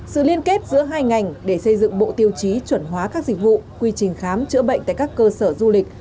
sự liên kết giữa hai ngành để xây dựng bộ tiêu chí chuẩn hóa các dịch vụ quy trình khám chữa bệnh tại các cơ sở du lịch